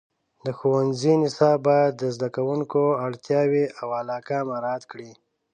د ښوونځي نصاب باید د زده کوونکو اړتیاوې او علاقه مراعات کړي.